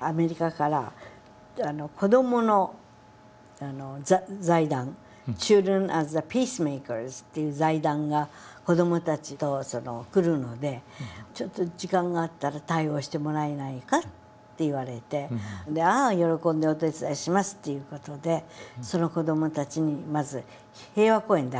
アメリカから子どもの財団「ＣｈｉｌｄｒｅｎＡｓＴｈｅＰｅａｃｅｍａｋｅｒｓ」っていう財団が子どもたちと来るのでちょっと時間があったら対応してもらえないかって言われてああ喜んでお手伝いしますという事でその子どもたちにまず平和公園で会ったわけです。